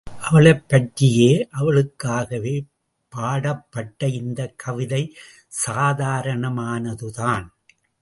அவளைப் பற்றியே அவளுக்காகவே பாடப்பட்ட இந்தக் கவிதை சாதாரணமானதுதான்.